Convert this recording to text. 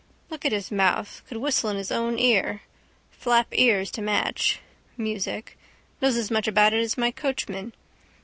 Look at his mouth. Could whistle in his own ear. Flap ears to match. Music. Knows as much about it as my coachman.